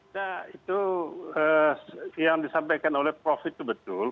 ya itu yang disampaikan oleh prof itu betul